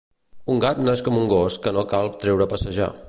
Un gat no és com un gos que no cal treure a passejar.